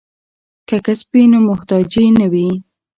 که کسب وي نو محتاجی نه وي.